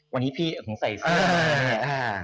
วันนี้พี่ของใส่เสื้อ